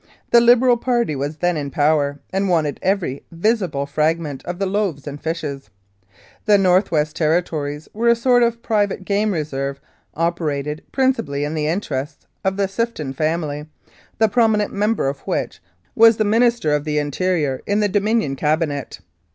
The Liberal party was then in power, and wanted every visible frag ment of the loaves and fishes. The North West Terri tories were a sort of private game reserve operated principally in the interests of the S if ton family, the prominent member of which was the Minister of the 135 Mounted Police Life in Canada Interior in the Dominion Cabinet.